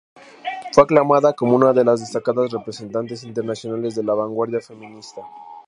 Fue aclamada como una de las "destacadas representantes internacionales de la vanguardia feminista".